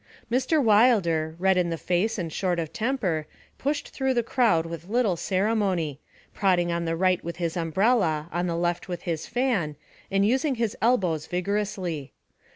Mr. Wilder, red in the face and short of temper, pushed through the crowd with little ceremony, prodding on the right with his umbrella, on the left with his fan, and using his elbows vigorously.